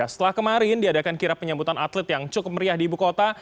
setelah kemarin diadakan kirap penyambutan atlet yang cukup meriah di ibu kota